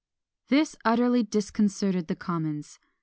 This utterly disconcerted the commons.